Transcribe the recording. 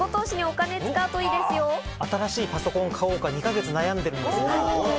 新しいパソコンを買おうか、２か月悩んでるんですよね。